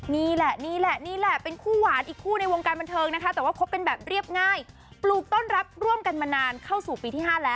นี่แหละนี่แหละนี่แหละเป็นคู่หวานอีกคู่ในวงการบันเทิงนะคะ